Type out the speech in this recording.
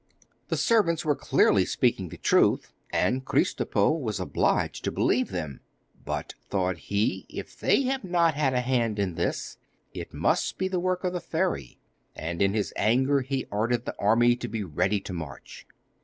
The servants were clearly speaking the truth, and Kristopo was obliged to believe them. 'But,' thought he, 'if they have not had a hand in this, it must be the work of the fairy,' and in his anger he ordered the army to be ready to march.